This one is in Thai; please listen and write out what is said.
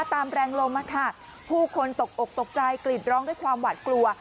ตามแรงลมผู้คนตกอกตกใจกรีดร้องด้วยความหวาดกลัว